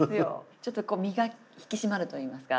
ちょっとこう身が引き締まるといいますか。